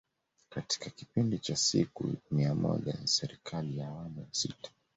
Katika kipindi cha siku mia moja za Serikali ya Awamu ya Sita